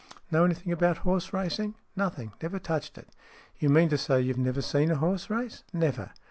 " Know anything about horse racing ?"" Nothing. Never touched it." " You mean to say you've never seen a horse race?" " Never."